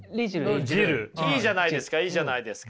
いいじゃないですかいいじゃないですか。